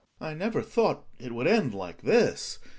I never thought it would end like this.